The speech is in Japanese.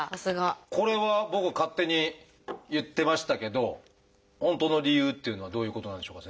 これは僕は勝手に言ってましたけど本当の理由っていうのはどういうことなんでしょうか？